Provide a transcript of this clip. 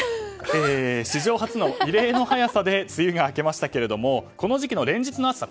史上初の異例の早さで梅雨が明けましたけれどもこの時期の連日の暑さ。